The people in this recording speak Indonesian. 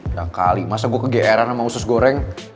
gak kali masa gua kegeeran sama usus goreng